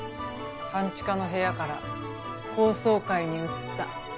半地下の部屋から高層階に移った。